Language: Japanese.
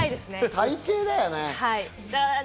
体形だよね。